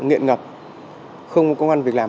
nghiện ngập không có công an việc làm